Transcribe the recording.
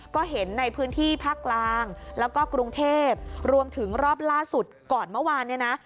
ก็เห็นในพื้นที่ภาคกลางแล้วก็กรุงเทพรวมถึงรอบล่าสุดก่อนเมื่อวานเนี่ยนะ